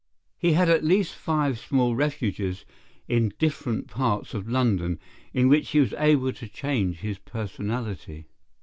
He had at least five small refuges in different parts of London, in which he was able to change his personality.